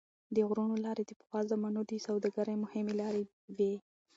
د غرونو لارې د پخوا زمانو د سوداګرۍ مهمې لارې وې.